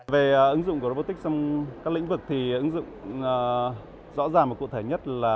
về ứng dụng của robotics trong các lĩnh vực thì ứng dụng rõ ràng và cụ thể nhất là